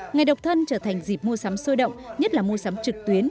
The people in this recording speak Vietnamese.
ngày độc thân trở thành dịp mua sắm sôi động nhất là mua sắm trực tuyến